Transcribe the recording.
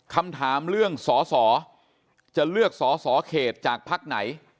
คำถามเรื่องสอสอจะเลือกสอสอเขตจากพักไหน